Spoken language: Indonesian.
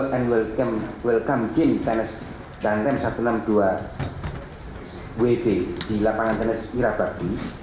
dan selamat datang di tns satu ratus enam puluh dua wd di lapangan tns irabadi